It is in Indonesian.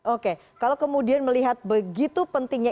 oke kalau kemudian melihat begitu pentingnya